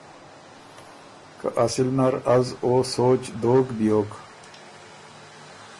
که اصِل نر از او سوچ دوک بيوک۔